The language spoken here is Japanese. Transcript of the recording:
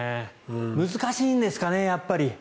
難しいんですかね、やっぱり。